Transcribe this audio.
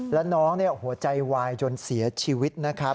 แล้วน้องหัวใจวายจนเสียชีวิตนะครับ